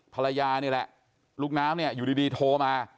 ภรรยานี่แหละลูกน้ำเนี่ยอยู่ดีโทรมา